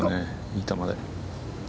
いい球で。